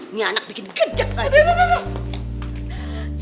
ini anak bikin gejek aja